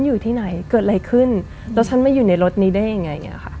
อยู่ที่ไหนเกิดอะไรขึ้นแล้วฉันมาอยู่ในรถนี้ได้ยังไงอย่างนี้ค่ะ